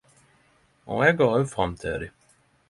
Og eg går óg fram til di.